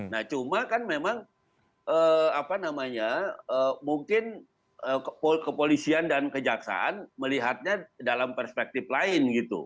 nah cuma kan memang apa namanya mungkin kepolisian dan kejaksaan melihatnya dalam perspektif lain gitu